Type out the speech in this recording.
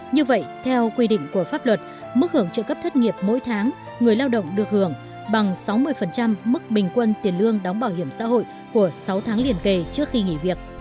như vậy theo quy định của pháp luật mức hưởng trợ cấp thất nghiệp mỗi tháng người lao động được hưởng bằng sáu mươi mức bình quân tiền lương đóng bảo hiểm xã hội của sáu tháng liên kề trước khi nghỉ việc